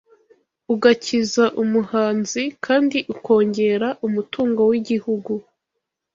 ugakiza umuhanzi kandi ukongera umutungo w’Igihugu